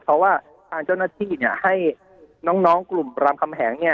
เพราะว่าทางเจ้าหน้าที่ให้น้องกลุ่มรามคำแหง